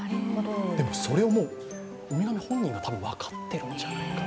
でもそれをウミガメ本人が多分分かってるんじゃないかな。